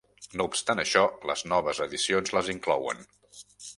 No obstant això, les noves edicions les inclouen.